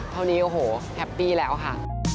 เท่านี้โอ้โหแฮปปี้แล้วค่ะ